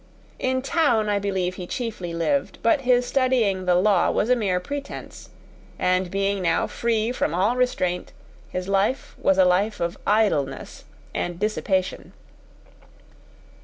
In town, I believe, he chiefly lived, but his studying the law was a mere pretence; and being now free from all restraint, his life was a life of idleness and dissipation.